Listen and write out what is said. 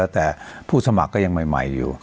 แต่ผู้สมัครก็อยู่ใหม่